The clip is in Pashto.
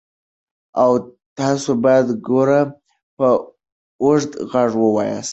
تاسو باید ګور په اوږد غږ ووایاست.